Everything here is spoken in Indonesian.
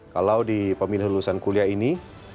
kalau di pemilih lulusan kuliah ini